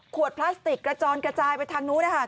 พลาสติกกระจอนกระจายไปทางนู้นนะคะ